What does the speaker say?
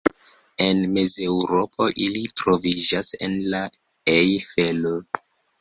En Mezeŭropo ili troviĝas en la Ejfelo.